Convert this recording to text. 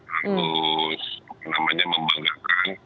harus namanya membanggakan